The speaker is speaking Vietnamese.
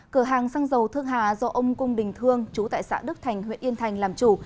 cửa hàng xăng dầu thước hà do ông cung đình thương chú tại xã đức thành huyện yên thành làm chủ